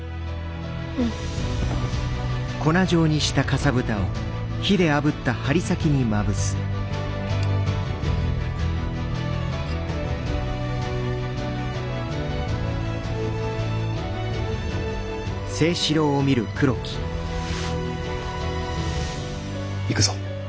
うん。いくぞ。